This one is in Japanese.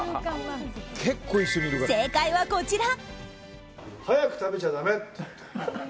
正解はこちら。